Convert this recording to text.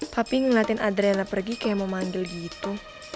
papi ngeliatin adriana pergi kayak mau manggil gitu